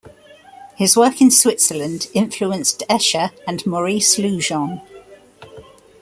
His work in Switzerland influenced Escher and Maurice Lugeon.